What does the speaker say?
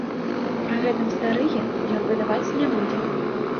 Пры гэтым, старыя ён выдаваць не будзе.